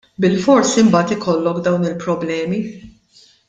Bilfors imbagħad ikollok dawn il-problemi!